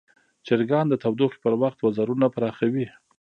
چرګان د تودوخې پر وخت وزرونه پراخوي.